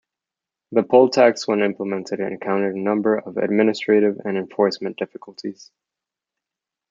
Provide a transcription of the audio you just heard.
The poll tax when implemented encountered a number of administrative and enforcement difficulties.